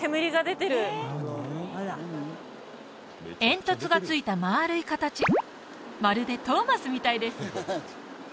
煙突がついたまあるい形まるでトーマスみたいです